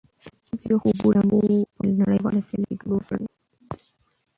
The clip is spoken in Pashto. زه د یخو اوبو لامبو په نړیواله سیالۍ کې ګډون کړی یم.